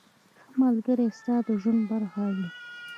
• ښه ملګری ستا د ژوند برخه وي.